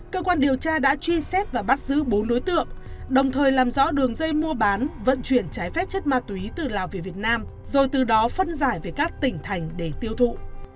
cơ quan điều tra đã truy xét và bắt giữ bốn đối tượng đồng thời làm rõ đường dây mua bán vận chuyển trái phép chất ma túy từ lào về việt nam rồi từ đó phân giải về các tỉnh thành để tiêu thụ